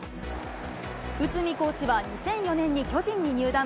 内海コーチは２００４年に巨人に入団。